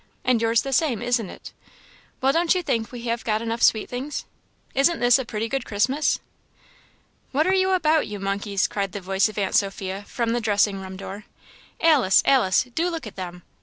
and yours the same, isn't it? Well, don't you think we have got enough sweet things? Isn't this a pretty good Christmas?" "What are you about, you monkeys?" cried the voice of Aunt Sophia, from the dressing room door. "Alice, Alice! do look at them.